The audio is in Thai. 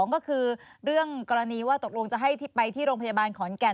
ก็คือเรื่องกรณีว่าตกลงจะให้ไปที่โรงพยาบาลขอนแก่น